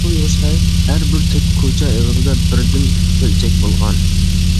ھەر بىر تۆت كوچا ئېغىزىدا بىردىن كۆلچەك بولغان.